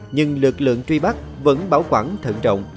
nhưng lực lượng truy bắt vẫn bảo quản thận trọng